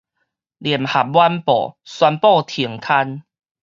聯合晚報宣布停刊